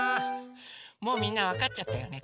もうみんなわかっちゃったよね